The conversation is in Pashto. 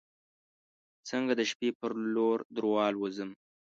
څنګه د شپې پر لور دروالوزم